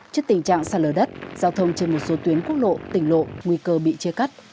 trước tình trạng sạt lở đất giao thông trên một số tuyến quốc lộ tỉnh lộ nguy cơ bị chia cắt